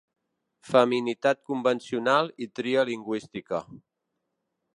Feminitat convencional i tria lingüística.